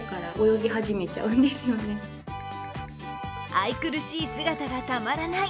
愛くるしい姿がたまらない